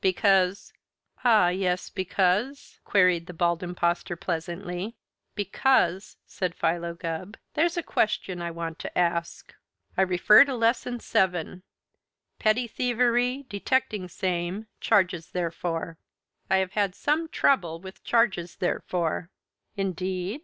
"Because " "Ah, yes, because " queried the Bald Impostor pleasantly. "Because," said Philo Gubb, "there's a question I want to ask. I refer to Lesson Seven, 'Petty Thievery, Detecting Same, Charges Therefor.' I have had some trouble with 'Charges Therefor.'" "Indeed?